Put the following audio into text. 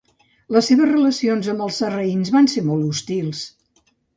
Les seves relacions amb els sarraïns van ser molt hostils.